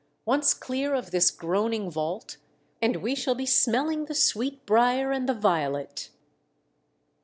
Once clear of this groaning vault and we shall be smelling the sweetbriar and the violet."